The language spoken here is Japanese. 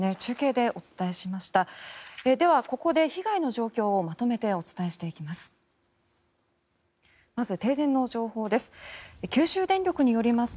では、ここで被害の状況をまとめてお伝えしていきます。